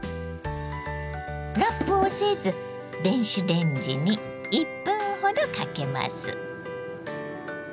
ラップをせず電子レンジに１分ほどかけます。